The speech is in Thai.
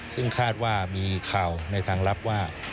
ซึ่งคาดว่ามีข่าวในทางลับว่า